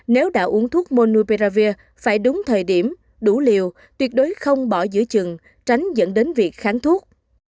nếu đã uống thuốc monuperavir phải đúng thời điểm đủ liều tuyệt đối không bỏ giữa chừng tránh dẫn đến việc kháng thuốc